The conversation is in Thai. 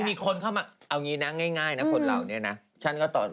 มีคนเข้ามาเอางี้นะง่ายนะคนเราเนี่ยนะ